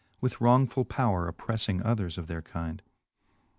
With wrongfull powre opprclTmg others of their kind.